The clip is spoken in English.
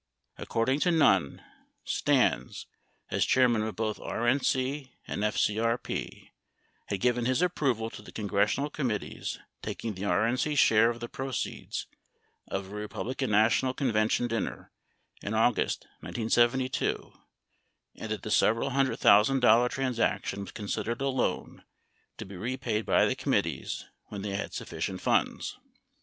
According to Nunn, Stans, as chairman of both RNC and FCRP, had given his approval to the congressional committees taking the RNC share of the proceeds of a Republican National Convention din ner in August 1972, and that the several hundred thousand dollar transaction was considered a loan to be repaid by the committees when they had sufficient funds.